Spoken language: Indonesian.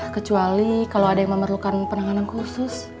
kecuali kalau ada yang memerlukan penanganan khusus